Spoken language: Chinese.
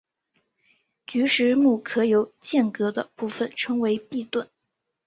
菊石目壳有间隔的部份称为闭锥。